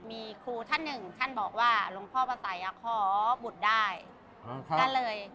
มีครูท่านหนึ่งท่านบอกว่าหลวงพ่อพระศัยขอบุฏติด้ายกันเลย